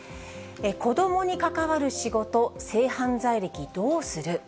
子どもに関わる仕事、性犯罪歴どうする。